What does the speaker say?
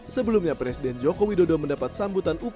sebelumnya presiden jokowi dodo mendapat sambutan upacara kembali